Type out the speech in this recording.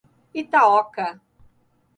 Itaoca